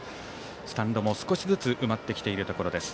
スタンドも少しずつ埋まってきているところです。